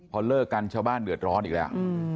พอเลิกกันชาวบ้านเดือดร้อนอีกแล้ว